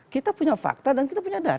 kita punya fakta dan kita punya data